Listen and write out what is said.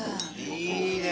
いいね！